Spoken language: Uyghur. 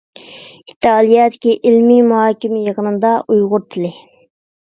ئىتالىيەدىكى ئىلمىي مۇھاكىمە يىغىنىدا ئۇيغۇر تىلى.